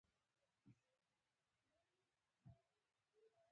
سندره د احساس لوست دی